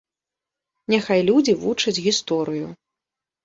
Няхай людзі вучаць гісторыю.